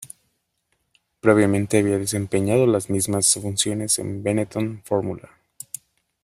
Previamente había desempeñado las mismas funciones en Benetton Formula.